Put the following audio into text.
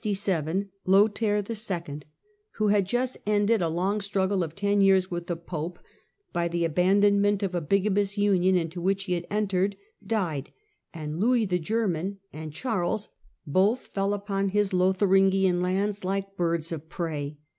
who had just ended a 216 THE DAWN OF MEDIAEVAL EUROPE long struggle of ten years with the Pope by the abandon ment of a bigamous union into which he had entered, died, and Louis the German and Charles both fell upon his Lotharingian lands like birds of prey.